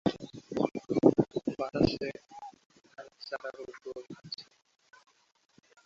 তার কাজ জাহাজের যন্ত্রপাতি পরিচালনা কঠিন শারীরিক শ্রম জড়িত থাকতে পারে।